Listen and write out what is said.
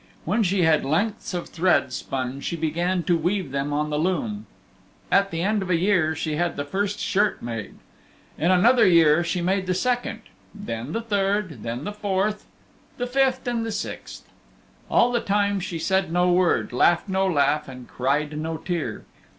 When she had lengths of thread spun she began to weave them on the loom. At the end of a year she had the first shirt made. In another year she made the second, then the third, then the fourth, the fifth and the sixth. And all the time she said no word, laughed no laugh and cried no tear.